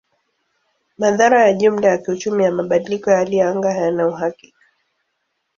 Madhara ya jumla ya kiuchumi ya mabadiliko ya hali ya anga hayana uhakika.